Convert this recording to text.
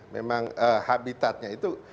memang habitatnya itu